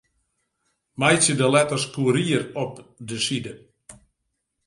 Meitsje de letters Courier op 'e side.